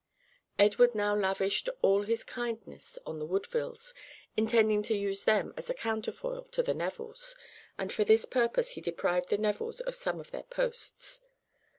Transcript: Edward now lavished all his kindness on the Woodvilles, intending to use them as a counterfoil to the Nevilles, and for this purpose he deprived the Nevilles of some of their posts.